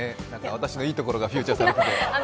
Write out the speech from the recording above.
私のいいところがフィーチャーされて。